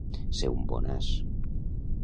Ser un bonàs.